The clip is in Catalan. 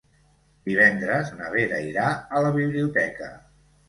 Divendres na Vera irà a la biblioteca.